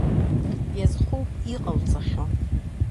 Иазхоуп иҟауҵахьоу.